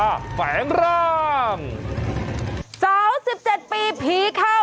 สวัสดีครับสวัสดีครับ